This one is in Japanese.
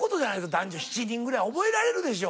『男女７人』ぐらい覚えられるでしょ。